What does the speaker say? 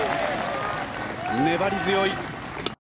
粘り強い。